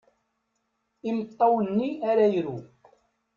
Imeṭṭawen-nni ara iru.